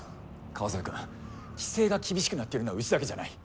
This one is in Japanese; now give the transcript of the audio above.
川添君規制が厳しくなっているのはうちだけじゃない。